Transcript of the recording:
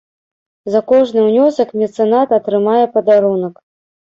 За кожны ўнёсак мецэнат атрымае падарунак.